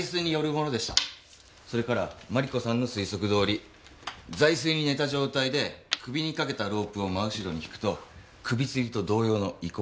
それからマリコさんの推測どおり座いすに寝た状態で首にかけたロープを真後ろに引くと首つりと同様の縊溝が残ります。